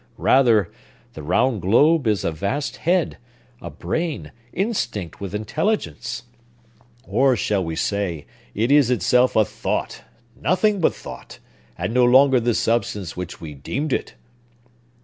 Rather, the round globe is a vast head, a brain, instinct with intelligence! Or, shall we say, it is itself a thought, nothing but thought, and no longer the substance which we deemed it!"